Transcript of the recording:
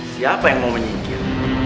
siapa yang mau menyingkir